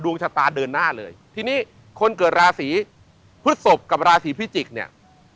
ชะตาเดินหน้าเลยทีนี้คนเกิดราศีพฤศพกับราศีพิจิกเนี่ย